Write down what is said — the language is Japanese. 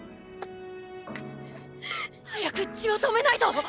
早く血を止めないと！